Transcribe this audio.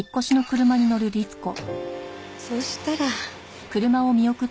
そうしたら。